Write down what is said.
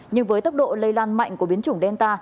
nhưng với tốc độ lây lan mạnh của biến chủng delta